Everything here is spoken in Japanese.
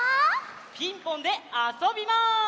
「ピンポン」であそびます！